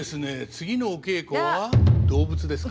次のお稽古は動物ですか？